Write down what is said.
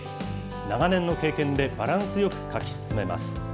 長年の経験でバランスよく書き進めます。